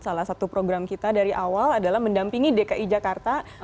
salah satu program kita dari awal adalah mendampingi dki jakarta